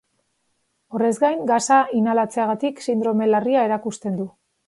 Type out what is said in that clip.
Horrez gain, gasa inhalatzeagatik sindrome larria erakusten du.